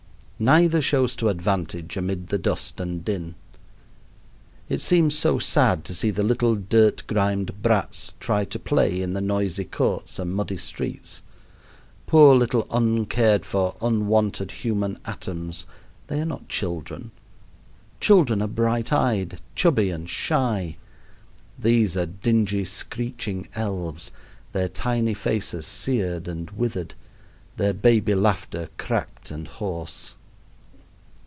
Neither shows to advantage amid the dust and din. It seems so sad to see the little dirt grimed brats try to play in the noisy courts and muddy streets. Poor little uncared for, unwanted human atoms, they are not children. Children are bright eyed, chubby, and shy. These are dingy, screeching elves, their tiny faces seared and withered, their baby laughter cracked and hoarse.